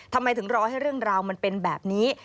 ทำไมถึงรอให้เรื่องราวมันเป็นแบบนี้